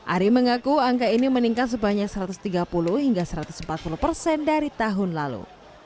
ari mengaku angka ini meningkat sebanyak satu ratus tiga puluh hingga satu ratus empat puluh persen dari tahun lalu